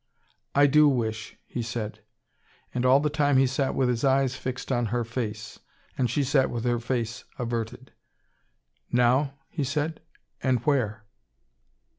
"I do wish," he said. And all the time he sat with his eyes fixed on her face, and she sat with her face averted. "Now?" he said. "And where?"